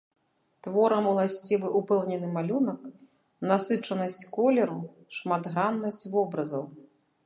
Творам уласцівы ўпэўнены малюнак, насычанасць колеру, шматграннасць вобразаў.